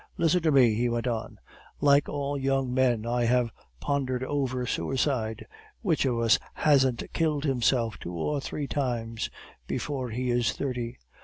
Listen to me,' he went on, 'like all young men, I have pondered over suicide. Which of us hasn't killed himself two or three times before he is thirty?